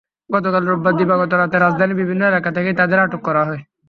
গতকাল রোববার দিবাগত রাতে রাজধানীর বিভিন্ন এলাকা থেকে তাদের আটক করা হয়।